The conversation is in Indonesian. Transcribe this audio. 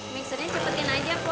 minggirnya seperti ini